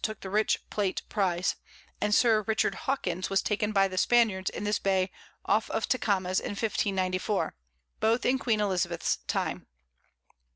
took the rich Plate Prize; and Sir Richard Hawkins was taken by the Spaniards in this Bay off of Tecames in 1594. both in Queen Elizabeth's Time.